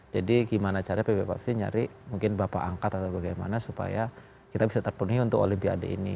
jadi gimana cara pb papsi nyari mungkin bapak angkat atau bagaimana supaya kita bisa terpenuhi untuk olimpiade ini